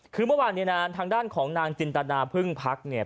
คือเมื่อวานเนี่ยนะทางด้านของนางจินตนาพึ่งพักเนี่ย